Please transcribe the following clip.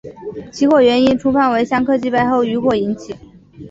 起火原因初判为香客祭拜后余火引起。